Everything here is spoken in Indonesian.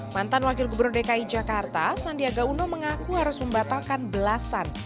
mantan wakil gubernur dki jakarta sandiaga uno mengaku harus membatalkan belasan